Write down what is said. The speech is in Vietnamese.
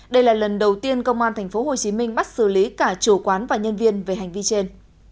đây là lần đầu tiên công an tp hcm bắt xử lý cả chủ quán và nhân viên về hành vi trên